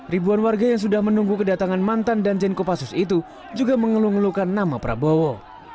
ribuan warga yang sudah menunggu kedatangan mantan dan jenko pasus itu juga mengelung elungkan nama prabowo